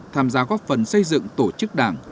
tham gia góp phần xây dựng tổ chức đảng